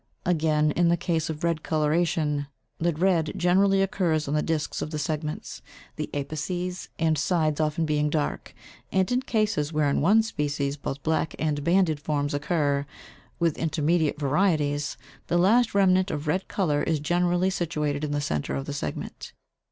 Again, in the case of red coloration, the red generally occurs on the discs of the segments, the apices and sides often being dark, and in cases where in one species both black and banded forms occur, with intermediate varieties, the last remnant of red colour is generally situated in the centre of the segment.